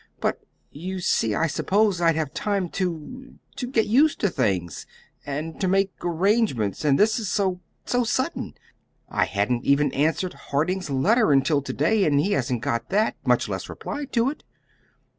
"But you see, I supposed I'd have time to to get used to things, and to make arrangements; and this is so so sudden! I hadn't even answered Harding's letter until to day; and he hasn't got that much less replied to it."